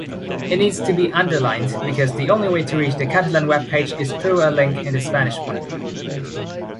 It needs to be underlined, because the only way to reach the Catalan webpage is through a link in the Spanish one.